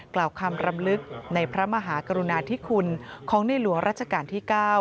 กล่าวคำรำลึกในพระมหากรุณาธิคุณของในหลวงราชการที่๙